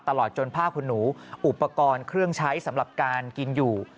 ตลอดจนผ้าคุณหนูอุปกรณ์เครื่องใช้สำหรับการกินอยู่